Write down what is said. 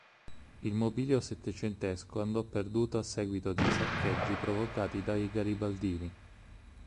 Il mobilio settecentesco andò perduto a seguito di saccheggi provocati dai garibaldini.